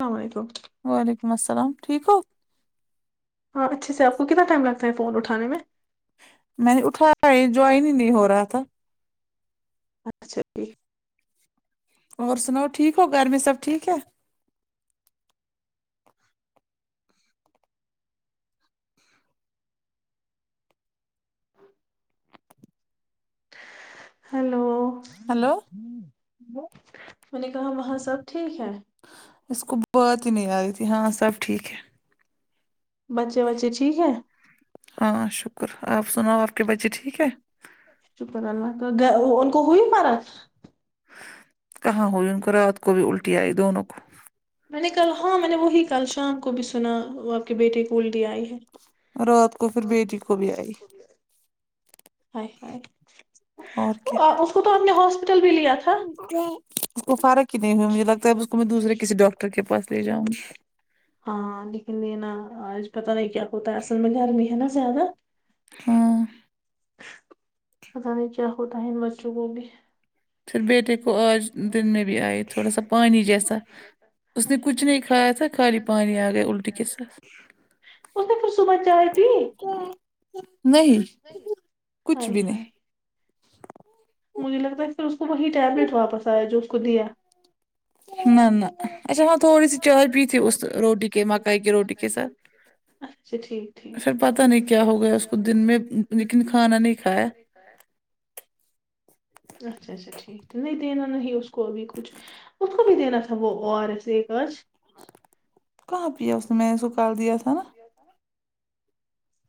السلام علیکم وعلیکم السلام ٹھیک ہو ہاں اچھے سے آپ کو کتنا ٹائم لگتا ہے فون اٹھا نے میں میں نے اٹھایا یے جوائن ہی نہیں ہو رہا تھا اچھا تھیک اور سناؤ ٹھیک ہو گھر میں سب ٹھیک ہے ہیلو ہیلو میں نے کہا وہاں سب ٹھیک ہے اس کو بات ہی نہیں آ رہی تھی ہاں سب ٹھیک ہے بچے بچے ٹھیک ہے ہاں شکر آپ سناؤ آپ کے بچے ٹھیک ہے شکر اللہ کا ان کو ہوئی مرا کہاں ہوئی ان کو رات کو بھی ہا الٹی آئی [unintelligible] دونوں کو میں نے کل ہاں میں نے وہی کل شام کو بھی سنا آپ کے بیٹے کی الٹی آئی ہے رات کو پھر بیٹی کو بھی آئی ہای ہای اور کیا آپ اس کو تو اپ نے ہاسپٹل بھی لیا تھا اس کو فرق ہی نہیں ہو ہے مجھے لگتا ہے اس کو میں دوسرے کسی ڈاکٹر کے پاس لے جاؤں گی ہاں لیکن یہ نا آج پتہ نہیں کیا کوتا ہے اصل میں گرمی ہے نا زیادہ ہاں پتا نہیں کیا ہوتا ہے ان بچوں کو بھی پھر بیٹی کو آج دن میں بھی آئی تھوڑا سا پانی جیسا اس نے ہائے کچھ نہیں کھایا تھا خالی پانی آ گیا الٹی کے ہائے. ساتھ اس نے پھر صبح چائے پی نہیں کچھ اہے بھی ہاے نہیں مجھے لگتا ہے پھر اس کو وہی ٹیبلیٹ واپس آیا جو اس کو دیا نہ نہ اچھا وہاں تھوڑی سی چائے پی تھی اس روٹی کے مکائی کے روٹی کے ساتھ اچھا ٹھیک ٹھیک پر پتا نہیں کیا ہو گیا اس کو دن میں لیکن کھانا نہیں کایا اچھا اچھا ٹھیک نہیں دینا نہیں اس کو ابھی کچھ اس کو بھی دینا تھا وہ او آر ایس ایک آج کہاں پیا اس نے میں نے اس کوکل دیا تھا نا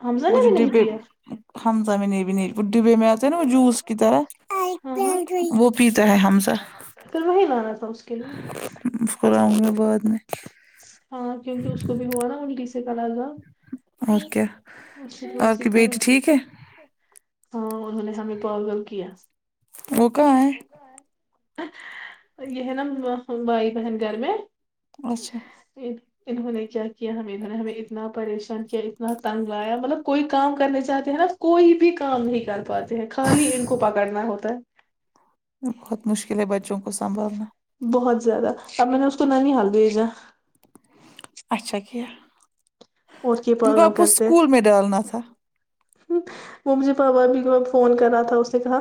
حمزہ وہ نے جو بھی نہیں ڈبے پیا ہممز میں نہیں بھی نہیں وہ ڈبے میں آتے ہیں نا وہ جوس کی طرح ہاں ہاں وہ پیتا ہے حمزہ پھر وہی لانا تھا اس کے لیے پراوں میں بعد میں ہاں کیونکہ اس کو بھی ہوا نا الٹی کیس سے کا لگا اور کیا اپ کی سی بیٹی فرق ہو. ٹھیک ہے ہاں انہوں نے ہمیں پاگل کیا وہ کہا ہے یہ ہے نا بھائی بہن گھر میں اچھا جی انہوں نے کیا کیا ہم انہوں نے ہمیں اتنا پریشان کیا اتنا تنگ لایا مطلب کوئی کام کرنے چاہتے ہیں نا کوئی بھی کام نہیں کر پاتے ہیں خالی ان کو پکڑنا ہوتا ہے بہت مشکل ہے بچوں کو سنبھالنا بہت زیادہ اب میں نے اس کو نانیہال بھیجا اچھا کیا اور کے انکو پاگل آپ اسکول میں ڈالنا تھا ممی پاپا بھی فون کر رہا تھا اس نے کہا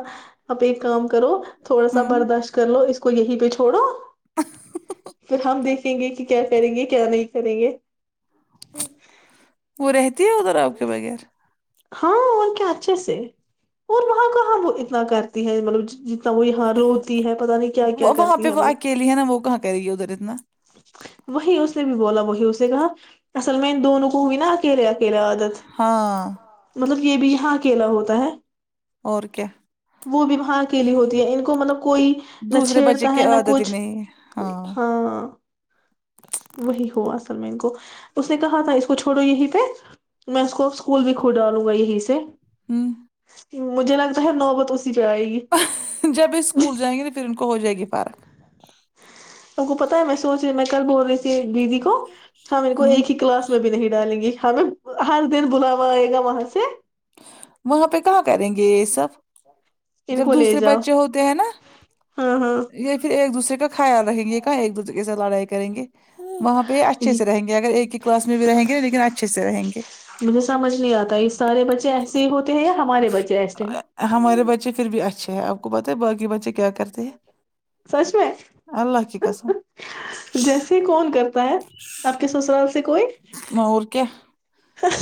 اپ ایک کام کرو تھوڑا سا ہمم، برداشت کر لو اس کو یہیں پہ چھوڑو پھر ہم دیکھ دیکیں گے کہ کیا کریں گے کیا نہیں کریں گے وہ رہتی ہے ادھر آپ کے بغیر ہاں اور کیا اچھے سے اور وہاں کہاں وہ اتنا کرتی ہے مطلب جی وہ یہاں روتی ہے پتا نہیں کیا کیا وہ- وہاں کرتی پہ ہے وہ اکیلی ہے نا وہ کہاں کرے گی ادھر اتنا وہی اس نے بھی بولا وہی اس نے کہا اصل میں دونوں کو بھی نا اکیلے اکیلاے عادت ہاں مطلب یہ بھی یہاں اکیلا ہوتا ہے اور کیا وہ بی واہ کے لیے ہوتی ہے ان کو مطلب کوئی نہ دوسرے بچے چھیڑتا کی ہے نہ عادت ہی کچھ نہیں ہے ہاں وہی ہو اصل میں ان کو اس نے کہا تھا اس کو چھوڑو یہی پہ میں اس کو اسکول بھی کھ ڈالوں گا یہیں سے ہوں مجھے لگتا ہے نوبت اسی پہ آئے گی جب یہ اسکول جائیں گے نا پھر ان کو ہو جائے گی فرق آپ کو پتا ہے میں سوچ رہی میں کل بول رہی تھی ایک دیدی کو ہ م کو ہوں ایک کلاس میں بھی نہیں ڈالیں گی ہمیں ہر دن بلاوا آئے گا وہاں سے وہاں پہ کہاں کریں گے یہ سب ان جب کو لے دوسرے جاؤ بچے ہوتے ہیں نا ہاں ہاں یہ پھر ایک دوسرے کا خیال ریں گے یہ کہاں ایک دوسرے کے س لڑائی کریں گے وہاں پہ یہ اچھے سے رہیں گے یہ اگر ایک ہی کلاس میں بھی رہیں گے لیکن اچھے سے رہیں گے مجھے سمجھ نہیں آتا یہ سارے بچے ایسے ہی ہوتے ہیں یا ہمارے بچے ایسے ہیں ہمارے بچے پھر بھی اچھے ہیں آپ کو پتہ ہے باقی بچے کیا کرتے ہیں سچ میں اللہ کی قسم جیسے کول کرتا ہے آپ کے سسرال سے کوئی اور کیا خش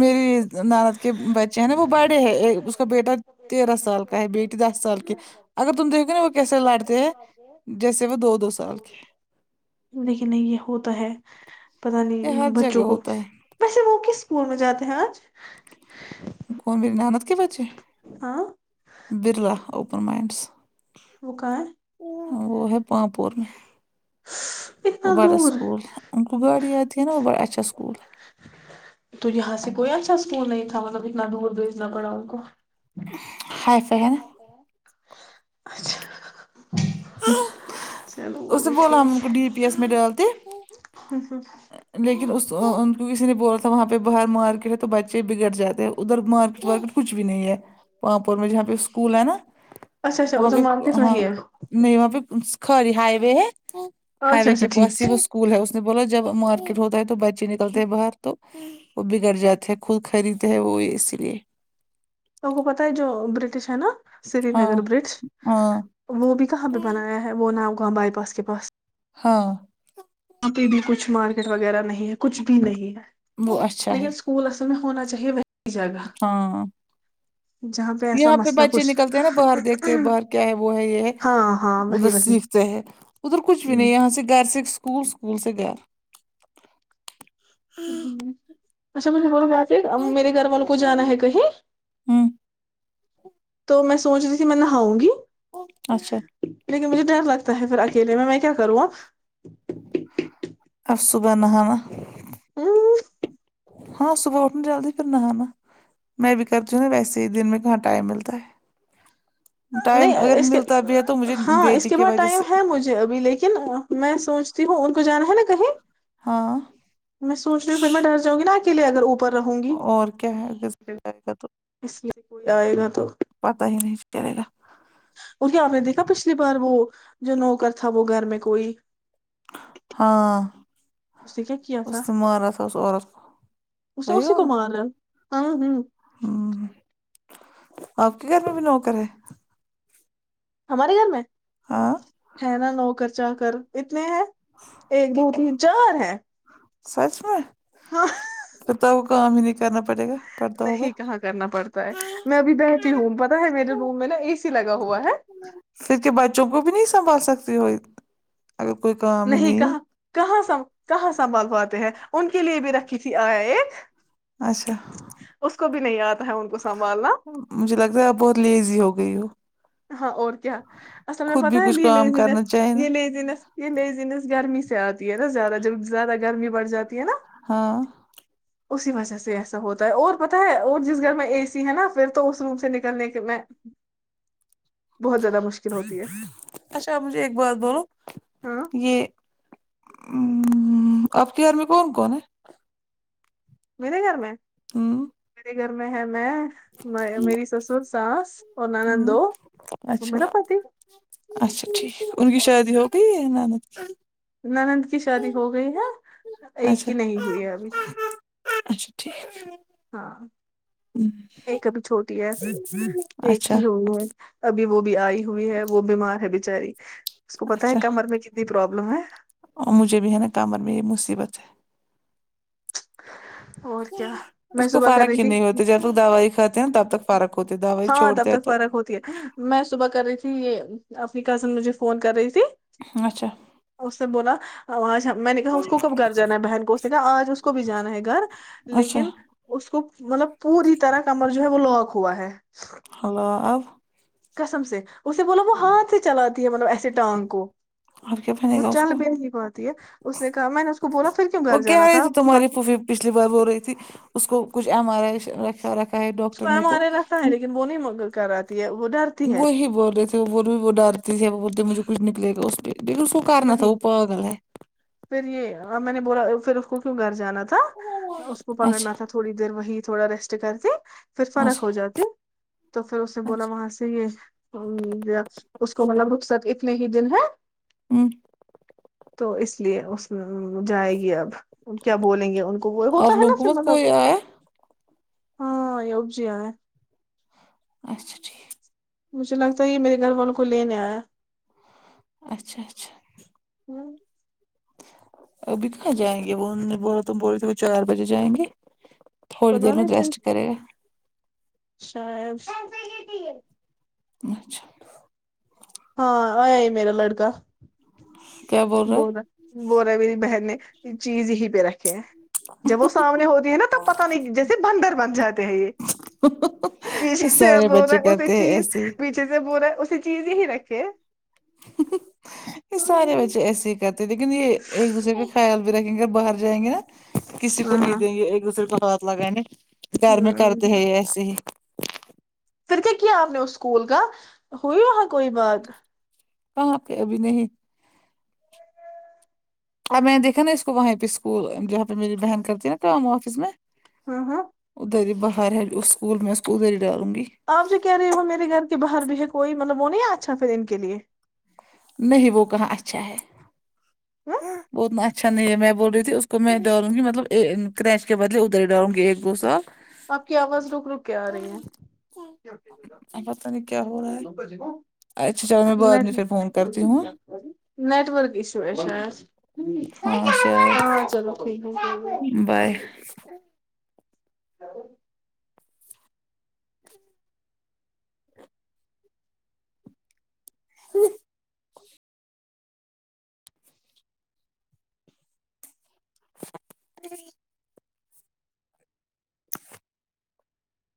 میری نند کے بچے ہیں نا وہ بڑے ہے کا بیٹا تیرہ سال کا ہے بیٹی دس سال کی اگر تم دیکھوے نا وہ کیسے لڑتے ہیں جیسے وہ دو دو سال کے لیکن نہیں یہ ہوتا ہے پتا یہ ہر نہیں جگہ بچوں کو ہوتا ہے ویسے وہ کس اسکول میں جاتے ہیں آج کون بری نند کے بچے ہاں برلا اوپن مائنڈس وہ کں ہے وہ ہے پاںپور میں ہے وہ اتنا بڑا دور اسکول ان کو گاڑیی آتی ہے نا بڑاچھا اسکول تو یہاں سے کوئی اچھا اسکول نہیں تھا مطلب اتنا دور بھیجنا پڑا ان کو [unintelligible] اچھا چلو وہ اس نے بولا ہم ان کو ڈی پی ایس میں ڈالتے اچ لیکن اس کی کسی نے بول وہاں پہ باہر مارکیٹ ہے تو بچے بگڑ جاتے ہیں ادھر مارکیٹ وارکیٹ کچھ بھی نہیں ہے پامپور میں جہاں پہ اسکول ہے نا اچھا اچھا وہاں ادھر پہ مارکیٹ ہاں نہیں ہے نہیں وہاں پہ خالی ہائی وے ہے ہائی اچھا وے اچھا کے ٹھیک پاس ہی وہ اسکول ہے اس نے بولاو جب مکٹ ہوتا ہے تو بچے نکلتے ہیں باہر تو وہ بگڑ جاتے ہیں خود خریدتے ہے وہ اس لیے تو کو پتا ہے جو برٹش ہے نا سری ہاں نگر برٹش ہاں وہ بھی کہاں پہ بنایا ہے وہ ناؤگاں بائی پاس کے پاس ہاں ا بھی کچھ مارکیٹ وغیرہ نہیں ہے کچھ بھی نہیں ہے وہ اچھا لیکن ہے اسکول اصل میں ہونا چاہیے وہی جگہ ہاں جہاں ایسا یہاں پہ مسئلہ بچے کچھ نکلتے ہیں نا باہر دیکھتے باہر کیا ہے وہ ہے یہ ہے ہاں ہاں ادھر وہی وہی سیکھتے ہے ادھر کچھ بھی نہیں یہاں سے گھر سے اسکول بول سے کیا اچھا مجھے ب میرے گھر والوں کو جانا ہے کہیں ہوں تو میں سوچ رہی تھی میں نہاؤں گی اچھا لیکن مجھے ڈر لگتا ہے پھر اکیلے میں میں کیا کروں اب اب صبح نہانا امم ہاں صبح اٹھنا جلدی پھر نہانا ہاں میں بھی کرتی ہو نہ ویسے ہی دن میں کہا ٹائم ملتا ہے ٹائم نہیں اگر اس کے ملتا بھی ہے تو مجھے ہاں اس بیٹی کے کی بعد وجہ ٹائم سے ہے مجھے ابھی لیکن میں سوچتی ہوں ان کو جانا ہے نا کہیں ہاں میں سوچ رہی ہوں پھر میں ڈر جاؤں گی نا اکیلے اگر اوپر رہوں گی [unintelligible] اور کیا ہے اٹلیس اس لیے کوئی آئے گا تو پتا ہی نہیں چلے گا کیونکے آپ نے دیکھا پچھلی بار وہ جو نوکر تھا وہ گھر میں کوئی ہاں اس نے کیا اس مارا تھا اس عورت کو اسے اسی کو مارا ہاں ہوں ہاں آپ کے گھر میں بھی نوکر ہے ہمارے گھر میں ہاں ہے نا نو کر چار کر اتنے ہیں ایک دو تین چار ہیں سچ میں ہاں پھرتا وہ کام ہی نہیں کرنا پڑے گا پڑتا ہوگا نہیں کہاں کرنا پڑتا ہے میں ابھی بیٹھی ہوں پتا ہے میرے روم میں نا اے سی لگا ہوا ہے پھر کے بچوں کو بھی نہیں سنبھال سکتی ہو اگر کوئی کام نہیں کہاں کہاں سا کہاں سنبھال پاتے ہیں ان کے لیے بھی رکھی تھی آیا ایک اچھا اس کو بھی نہیں آتا ہے ان کو سنبھالنا مجھے لگتا ہے آپ بہت لیزی ہو گئی ہو ہاں اور کیا اصل خود بھی پتاہ ہے کچھ یہ کام کرنا لیزینس چاہیے نا یہ لیزینس یہ نز گرمی سے آتی ہے نا زیادہ جب زیادہ گرمی بڑھ جاتی ہے نا ہاں اسی وجہ سے ایسا ہوتا ہے اور پتاہ ہے اور جس گھر میں اے سی ہے نا پھر تو اس روم سے نکلنے کے میں بہت زیادہ مشکل ہوتی ہے اچھا مجھے ایک بات بولو ہاں یہ ھممم آپکے گھر میں کون کون ہے میرے گھر میں ھمم میرے گھر میں ہے میں میری سسر ساس اور نانند ھمم دو اور اچھا میرا پتی اچھا ٹھیک ان کی شادی ہوگئی نانند کی نانند کی شادی ہو گئی ہے ایک اچھا ہی نہیں ہوئی ہے ابھی اچھا ٹھیک ہاں ہوں، ایک ابھی چھوٹی ہے ایک اچھا ہی ہوئی ہے ابھی وہ بھی آئی ہوئی ہے وہ بیمار ہے بچاری اس کو پت ہے اچھا کمر میں کتنی پروابلم ہے اور مجھے بھی ہے نا کمر میں یہ مصیبت ہے اور کیا میں اس کو صبح کر رہی فارق ہی تھی نہیں ہوتے جب تک دوائی کھاتے ہیں نا تب تک فارق ہوتے دوائی ہاں تب چھوڑتے ہیں تک تو فرق ہوتی ہے میں صبح کر رہی تھی یہ اپنی کزن مجھے فون کر رہی تھی اچھا اس سے بولا آج میں نے کہا اس کو کب گھر جانا ہے بہن کو اس نے کہا آج اس کو بھی جانا ہے گھر اچھا لیکن اس کو مطلب پوری طرح کمر جو ہے وہ لاک ہوا ہے ہیلو آپ قسم سے اسے بولا وہ ہاتھ سے چلاتی ہے مطلب ایسے ٹانگ کو اب کیا بنے وہ گا اس چل کو بھیے نہیں پاتتی ہے اس نے کہا میں نے اس کو بولا پھر کیوں وہ گھر کہہ جانا رہی تھا تھی تمہاری پھوفی پچھلی بار ہو رہی تھی اس کو کچھ ایم آر آئی ر اسومارے رہتا ہے لیکن وہ نہیں م کر رہاتی ہے وہ ڈر وہی بول رہے تھے وہ بھی وہ ڈار رہی تھی بولتے مجھے کچھ نکلے گا اس پ بالکل س کرنس تھاو وہی وہ پاگل ہے پھر یہ میں نے بولا پھر اس کو کیوں گھر جانا تھا اس کو پکڑنا اچھا تھا تھوڑی دیر وہی تھوڑا ریسٹ کرتے پھر فرق اچھا ہو جاتے تو پھر اس نے بولا اچھا وہاں سے چ یہ اس کو مطلب رخصت اتنے ہی دن ہے ہوں تو اس لیے اس جائے گی اب کیا بولیں گے ان گو ہوتا آپ ہے لوگوں نا کو س مت ج کوئی آیا ہاں ابجی ہے اچھا ٹھیک مجھے لگتا ہے یہ میرے گھر والوں کو لینے آیا ہے اچھا اچھا ہوں اب کہاں جائیں گی ب بات بولی چار بجے جائیں گی پرو شاید اچھا ہاں آیا ہی میرا لڑکا کیا بول ب رہا ہے ب رہا ہے میری بہن نے چیز یہیں پہ رکھے ہیں جب وہ سامنے ہوتی ہے نا تب پتہ نہیں جیسے بندر بن جاتے ہیں یہ یہ پیچھے سے سارے بول بچے رہا اسی کرتے ہیں چیز ایسے ہی پیچھے سے بو رہا ہے اسی چیز یہی رکھے یہ سارے بچے ایسے ہی کرتے ہیں لیکن یہ ایک دوسرے کا خیال بھی رکھیں گے اگر باہر جائیں گے نا کسی کو ہاں نہیں ہاں دیں گے ایک دوسرے کو ہاتھ لگانے گھر میں ہوں، کرتے ہیں یہ ایسے ہی پھر کے کی آپ نے اس سکول کاا ہوئی ہو کوئی بات کہاں پہ ابھی نہیں [inaudible] اور میں دیکھا نا اس کو وہیں پہ اسکول جہاں پہ میری بہن کرتی ہے نا کام آفس میں ہاں ہاں ادھر ہی باہر ہے اسکول میں اس کواودھر ہی ڈالونگی آپ جو کہہ رہے ہو میرے گھر کے باہر بھی ہے کوئی مطلب وہ نہیں اچھا پھر ان کے لیے نہیں وہ کہاں اچھا ہے ہاں بتنا اچھا نہیں ہے میں بول رہی تھی اس کو میں ڈالوں گی مطلب کریچ کے بدے ادھر ہی ڈالوں گی ایک گ سا آپ کی آواز رک رک کے آ رہی ہے اب پتہ نہیں کیا ہو رہا لکج کو ہے اچھا چلو میں بعد میں پھر فون کرتی ہوں نیٹورک اشو ہے شاید ہاں شاید ہاں چلو ٹھیک ہے بائے کوئی ہو ہوں [inaudible]